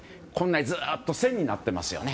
ずっと線になっていますね。